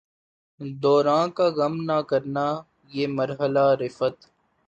دوراں کا غم نہ کرنا، یہ مرحلہ ء رفعت